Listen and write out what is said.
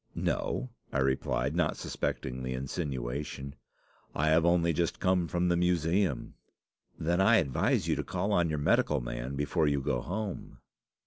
"'No,' I replied, not suspecting the insinuation; 'I have only just come from the Museum.' "'Then I advise you to call on your medical man before you go home.